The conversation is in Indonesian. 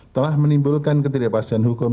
telah menimbulkan ketidakpastian hukum